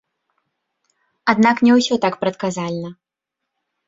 Аднак не ўсё так прадказальна.